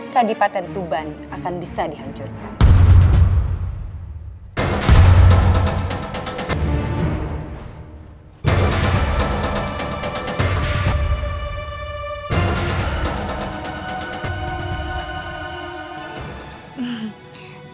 kadipaten tuban akan bisa dihancurkan